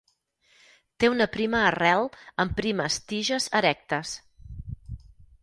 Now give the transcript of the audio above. Té una prima arrel amb primes tiges erectes.